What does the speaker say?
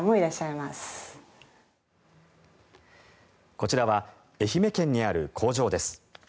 こちらは愛媛県にある工場です。